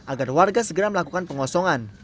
agar warga segera melakukan pengosongan